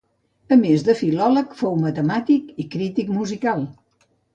A més de filòleg, fou matemàtic i crític musical.